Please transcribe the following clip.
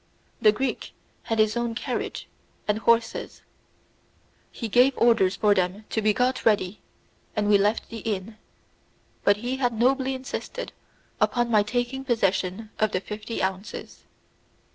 The Greek had his own carriage and horses; he gave orders for them to be got ready, and we left the inn; but he had nobly insisted upon my taking possession of the fifty ounces.